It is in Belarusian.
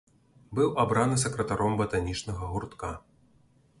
Быў абраны сакратаром батанічнага гуртка.